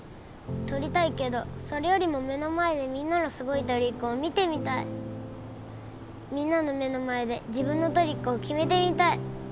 とりたいけどそれよりも目の前でみんなのすごいトリックを見てみたいみんなの目の前で自分のトリックを決めてみたい